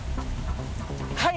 はい！